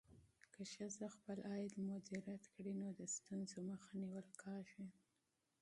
که ښځه خپل عاید مدیریت کړي، نو د ستونزو مخه نیول کېږي.